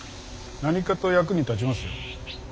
何かと役に立ちますよ。